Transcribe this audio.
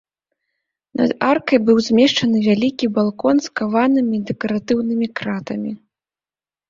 Над аркай быў змешчаны вялікі балкон з каванымі дэкаратыўнымі кратамі.